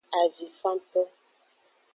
Avinfanto.